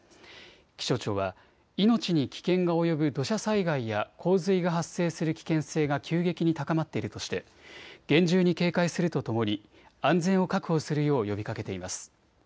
気象庁は命に危険が及ぶ土砂災害や洪水が発生する危険性が急激に高まっているとして厳重に警戒するとともに安全を確保するよう呼びかけています。